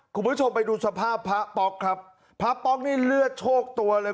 คุณผู้ชมไปดูสภาพพระป๊อกครับพระป๊อกนี่เลือดโชคตัวเลย